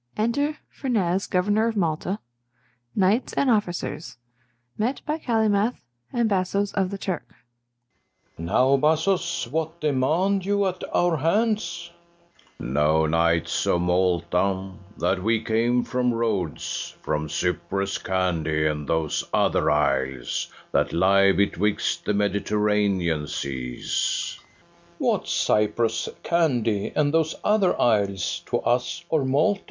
] Enter FERNEZE governor of Malta, KNIGHTS, and OFFICERS; met by CALYMATH, and BASSOES of the TURK. FERNEZE. Now, bassoes, what demand you at our hands? FIRST BASSO. Know, knights of Malta, that we came from Rhodes, ]From Cyprus, Candy, and those other isles That lie betwixt the Mediterranean seas. FERNEZE. What's Cyprus, Candy, and those other isles To us or Malta?